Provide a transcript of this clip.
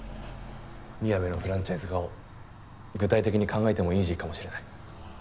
みやべのフランチャイズ化を具体的に考えてもいい時期かもしれない。